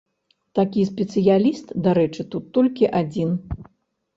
Такі спецыяліст, дарэчы, тут толькі адзін.